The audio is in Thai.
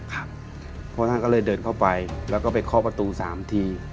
ครับพ่อท่านก็เลยเดินเข้าไปแล้วก็ไปเคาะประตูสามที